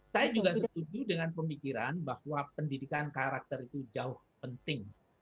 saya juga setuju dengan pemikiran bahwa pendidikan karakter itu jauh penting